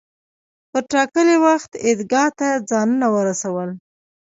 پر ټاکلي وخت عیدګاه ته ځانونه ورسول.